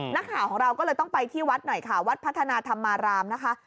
นักข่าวของเราก็เลยต้องไปที่วัดหน่อยค่ะวัดพัฒนาธรรมารามนะคะ